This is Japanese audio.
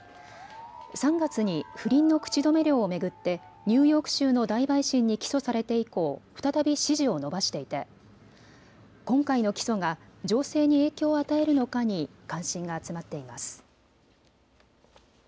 ３月に不倫の口止め料を巡ってニューヨーク州の大陪審に起訴されて以降再び支持を伸ばしていて今回の起訴が情勢に影響を与えるのかに関心が集まっています。